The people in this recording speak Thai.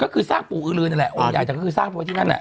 ก็คือสร้างปู่อื้อลืนนั่นแหละองค์ใหญ่แต่ก็คือสร้างไว้ที่นั่นแหละ